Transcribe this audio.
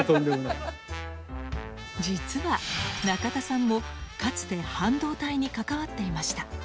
実は中田さんもかつて半導体に関わっていました。